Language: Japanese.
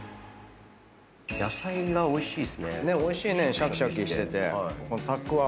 おいしいねシャキシャキしてて。